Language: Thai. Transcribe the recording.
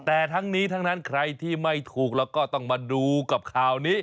แต่ทั้งนี้ทั้งนั้นใครที่ไม่ถูกแล้วก็ต้องมาดูกับข่าวนี้